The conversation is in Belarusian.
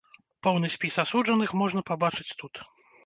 Поўны спіс асуджаных можна пабачыць тут.